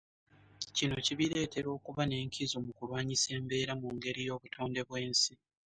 Kino kibireetera okuba n’enkizo mu kulwanyisa embeera mu ngeri y’obutonde bw’ensi.